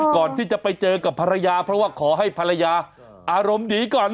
ก่อนที่จะไปเจอกับภรรยาเพราะว่าขอให้ภรรยาอารมณ์ดีก่อน